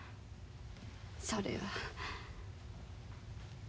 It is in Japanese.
それは。